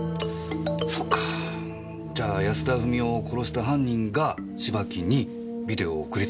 そっかじゃあ安田富美代を殺した犯人が芝木にビデオを送りつけた。